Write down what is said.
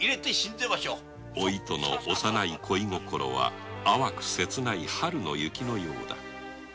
お糸の幼い恋心は淡く切ない春の雪のようだ